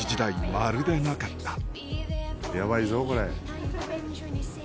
まるでなかったヤバいぞこれ。